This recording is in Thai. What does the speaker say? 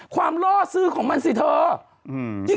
ความร่อยซื้อของมันสิเธอ